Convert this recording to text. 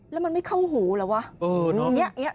แล้วมันไม่เข้าหูเหรอวะ